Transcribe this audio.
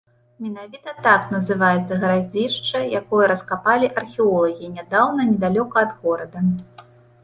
Менавіта так называецца гарадзішча, якое раскапалі археолагі нядаўна недалёка ад горада.